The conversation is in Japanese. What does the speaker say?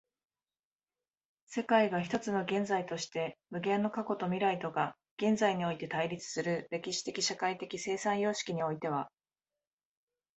世界が一つの現在として、無限の過去と未来とが現在において対立する歴史的社会的生産様式においては、